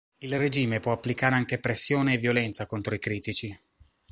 Il regime può applicare anche pressione e violenza contro i critici.